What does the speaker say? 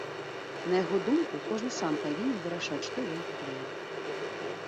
На яго думку, кожны сам павінен вырашаць, што ён купляе.